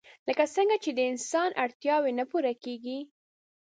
لکه څنګه چې د انسان اړتياوې نه پوره کيږي